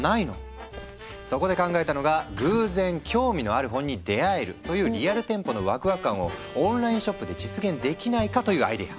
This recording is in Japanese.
そこで考えたのが偶然興味のある本に出会えるというリアル店舗のワクワク感をオンラインショップで実現できないかというアイデア。